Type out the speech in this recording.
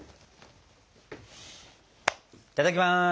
いただきます。